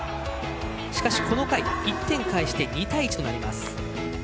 しかしこの回１点返して２対１となります。